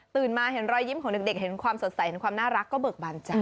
มาเห็นรอยยิ้มของเด็กเห็นความสดใสเห็นความน่ารักก็เบิกบานใจ